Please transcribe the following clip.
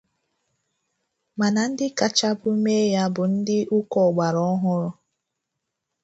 mana ndị kachabụ eme ya bụ ndị ụka ọgbara ọhụrụ